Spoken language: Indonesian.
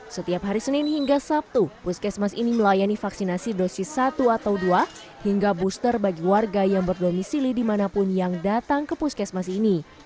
setiap hari senin hingga sabtu puskesmas ini melayani vaksinasi dosis satu atau dua hingga booster bagi warga yang berdomisili dimanapun yang datang ke puskesmas ini